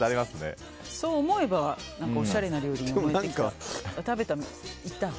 そう思えばおしゃれな料理に思えてきた。